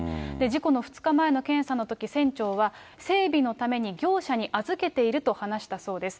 事故の２日前の検査のとき、船長は整備のために、業者に預けていると話したそうです。